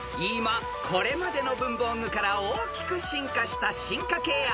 ［今これまでの文房具から大きく進化した進化系